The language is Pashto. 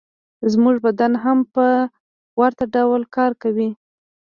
زموږ بدن هم په ورته ډول کار کوي